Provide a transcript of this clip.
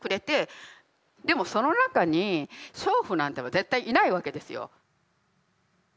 でもその中に娼婦なんていうのは絶対いないわけですよ。